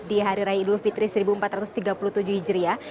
di hari raya idul fitri seribu empat ratus tiga puluh tujuh hijriah